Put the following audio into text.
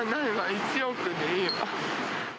１億でいいわ。